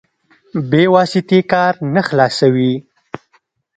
بې واسطې کار نه خلاصوي.